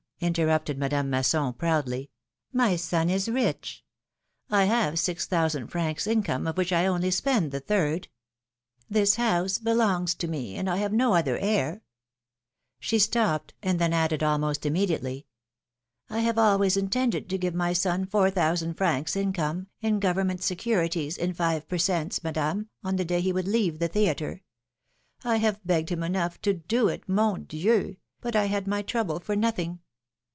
" interrupted Madame Masson, proudly, my son is rich ! I have six thousand francs income, of which I only spend the third ; this house belongs to me, and I have no other heir !" She stopped, and then added almost immediately: have always intended to give my son four thousand francs income, in government securities in five per cents., Madame, on the day he would leave the theatre. I have begged him enough to do it, mon Dieu! but I had my trouble for nothing.